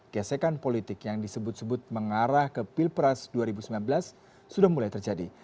gesekan politik yang disebut sebut mengarah ke pilpres dua ribu sembilan belas sudah mulai terjadi